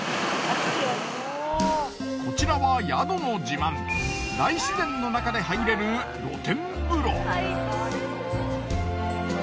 こちらは宿の自慢大自然のなかで入れる露天風呂。